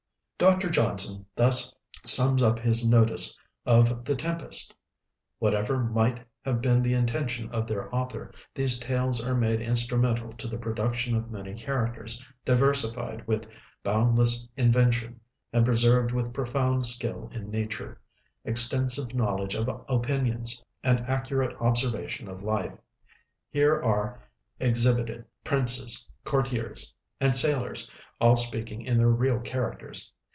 Dr. Johnson thus sums up his notice of 'The Tempest': "Whatever might have been the intention of their author, these tales are made instrumental to the production of many characters, diversified with boundless invention, and preserved with profound skill in nature, extensive knowledge of opinions, and accurate observation of life. Here are exhibited princes, courtiers, and sailors, all speaking in their real characters.